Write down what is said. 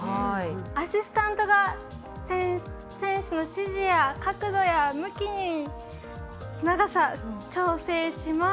アシスタントが選手の指示や角度や向き、長さを調整します。